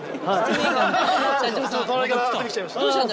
隣から出てきちゃいました。